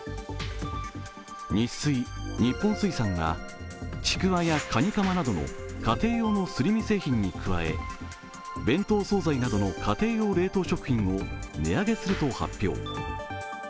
ニッスイ＝日本水産は、ちくわやカニカマなどの家庭用のすり身製品に加え、弁当総菜などの家庭用冷凍食品を値上げすると発表。